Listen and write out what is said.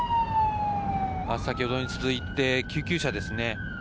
先ほどに続いて救急車ですね。